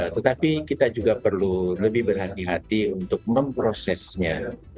tetapi kita juga perlu lebih berhati hati untuk memprosesnya